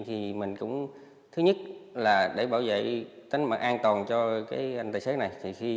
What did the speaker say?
thứ nhất là để bảo vệ tính mặt an toàn cho anh tài xế này